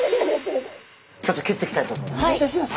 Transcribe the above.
ちょっと切っていきたいと思います。